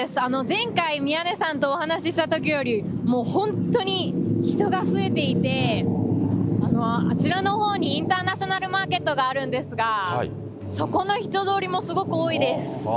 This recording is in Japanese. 前回、宮根さんとお話ししたときより、もう本当に人が増えていて、あちらのほうにインターナショナルマーケットがあるんですが、そこの人通りもすごく多いです。